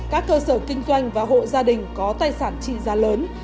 các cơ sở kinh doanh và hộ gia đình có tài sản trị giá lớn